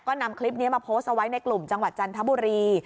ก็นำคลิปนี้มาโพสต์เอาไว้ในกลุ่มจังหวัดจันทบุรี